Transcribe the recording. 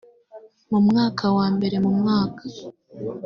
mu mwaka wa mbere mu mwaka